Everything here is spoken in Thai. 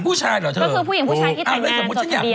ผู้หญิงผู้ชายเหรอเธอ